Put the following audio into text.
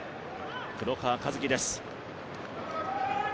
黒川和樹です。